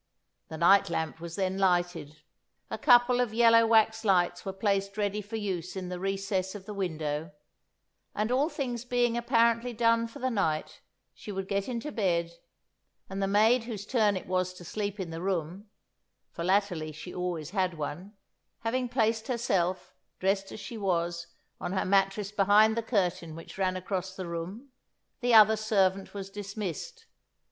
The night lamp was then lighted, a couple of yellow wax lights were placed ready for use in the recess of the window, and all things being apparently done for the night, she would get into bed, and the maid whose turn it was to sleep in the room (for latterly she always had one) having placed herself, dressed as she was, on her mattress behind the curtain which ran across the room, the other servant was dismissed.